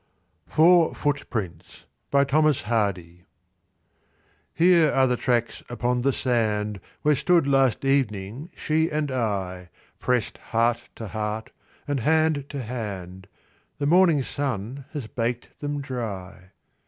FOUR FOOTPRINTS HERE are the tracks upon the sand Where stood last evening she and I— Pressed heart to heart and hand to hand; The morning sun has baked them dry.